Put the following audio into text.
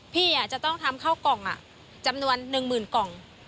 พี่จะต้องทำเข้ากล่องจำนวน๑๐๐๐กล่อง